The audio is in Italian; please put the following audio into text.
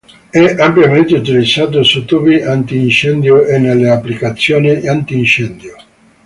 È ampiamente utilizzato su tubi antincendio e nelle applicazioni antincendio.